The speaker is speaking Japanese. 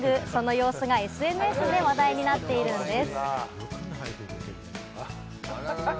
その様子がＳＮＳで話題になっているんです。